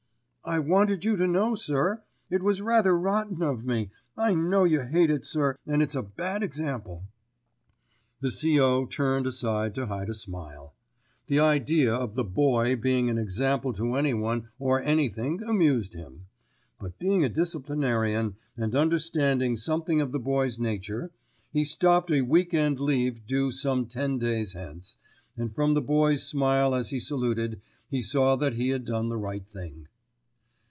"I wanted you to know, sir. It was rather rotten of me. I know you hate it, sir, and it's a bad example." The C.O. turned aside to hide a smile. The idea of the Boy being an example to anyone or anything amused him; but being a disciplinarian, and understanding something of the Boy's nature, he stopped a week end leave due some ten days hence, and from the Boy's smile as he saluted he saw that he had done the right thing.